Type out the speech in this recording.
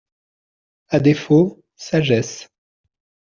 À défaut, sagesse.